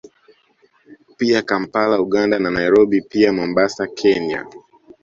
Pia Kampala Uganda na Nairobi pia Mombasa Kenya